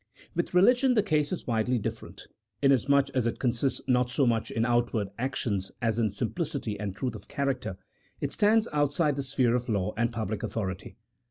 With religion the case is widely different. Inasmuch as it consists not so much in outward actions as in simplicity and truth of character, it stands outside the sphere of law and public authority.